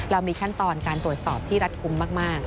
เรามีขั้นตอนการตรวจสอบที่รัดคุ้มมาก